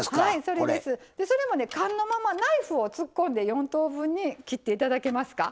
それも缶のままナイフを突っ込んで４等分に切っていただけますか？